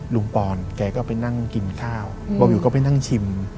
ปอนแกก็ไปนั่งกินข้าวเบาวิวก็ไปนั่งชิม